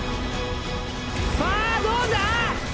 さあ、どうだ？